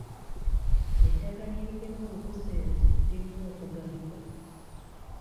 Eddagala erigema olunkusense lirina okugabibwa.